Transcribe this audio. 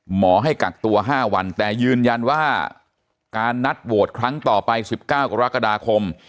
หมอให้กักตัว๕วันแต่ยืนยันว่าการนัดโหวตครั้งต่อไป๑๙กรกฎาคม